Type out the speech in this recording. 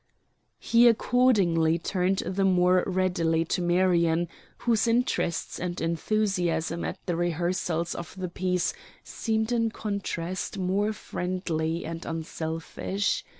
He accordingly turned the more readily to Marion, whose interests and enthusiasm at the rehearsals of the piece seemed in contrast most friendly and unselfish.